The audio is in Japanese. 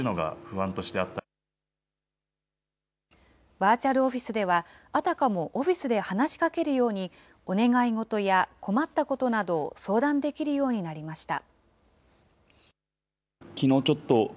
バーチャルオフィスでは、あたかもオフィスで話しかけるように、お願い事や困ったことなどを相談できるようになりました。